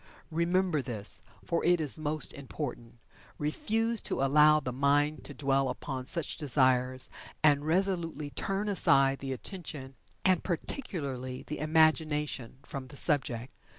Remember this, for it is most important. Refuse to allow the mind to dwell upon such desires, and resolutely turn aside the attention, and, particularly, the imagination, from the subject.